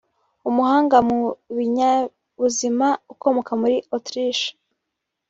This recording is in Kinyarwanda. umuhanga mu binyabuzima ukomoka muri Autriche